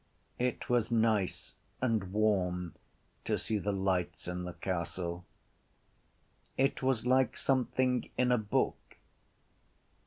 It was nice and warm to see the lights in the castle. It was like something in a book.